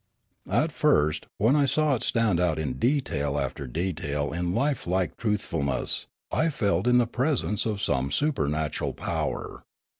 At first, when I saw it stand out detail after detail in lifelike truthfulness, I felt in the presence of some supernatural power.